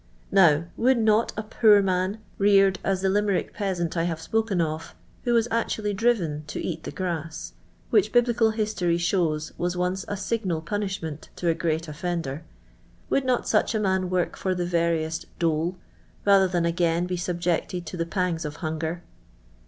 Now, would not a poor man, reared as the I Limerick peaaant I have spoken of, who was actually driven to eat the grass, which biblical history shows was once a signal punishment to a great offender — would not such a man work for the veriest dole, rather than again be subjected to the pangs of hunger!